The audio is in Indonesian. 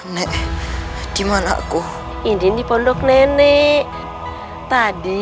nek dimana aku ini di pondok nenek tadi